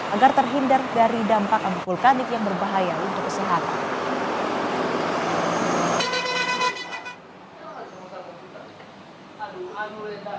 agar terhindar dari dampak abu vulkanik yang berbahaya untuk kesehatan